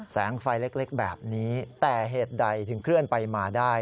แสงไฟเล็กแบบนี้แต่เหตุใดถึงเคลื่อนไปมาได้